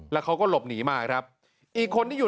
แล้วเขาก็หลบหนีมาครับอีกคนที่อยู่